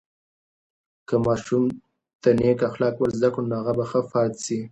که ماشوم ته نیک اخلاق ورزده کړو، نو هغه به ښه فرد سي.